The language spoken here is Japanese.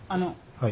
はい。